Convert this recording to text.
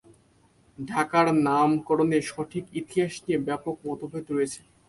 ঢাকার নামকরণের সঠিক ইতিহাস নিয়ে ব্যাপক মতভেদ রয়েছে।